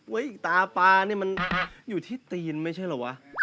อีกตาปลานี่มันอยู่ที่ตีนไม่ใช่เหรอวะ